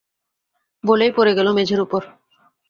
বলেই পড়ে গেল মেঝের উপর।